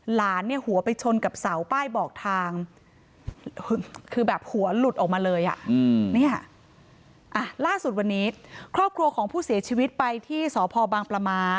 หลานหัวไปชนกับเสา